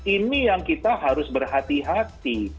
ini yang kita harus berhati hati